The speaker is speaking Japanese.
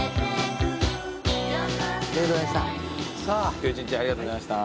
今日一日ありがとうございました。